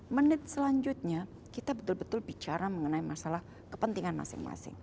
menit selanjutnya kita betul betul bicara mengenai masalah kepentingan masing masing